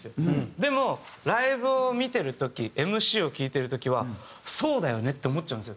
でもライブを見てる時ＭＣを聞いてる時はそうだよねって思っちゃうんですよ。